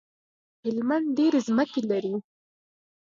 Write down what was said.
هلمند ډيری مځکی لری